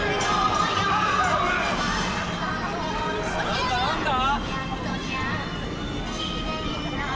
・何だ何だ？